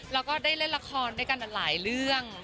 และก็ได้เล่นราคอนกันหลายเรื่อง